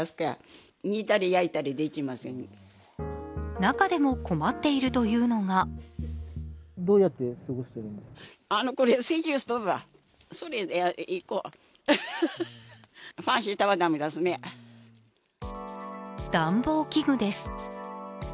中でも困っているというのが暖房器具です。